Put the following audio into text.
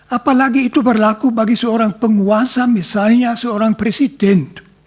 apalagi itu berlaku bagi seorang penguasa misalnya seorang presiden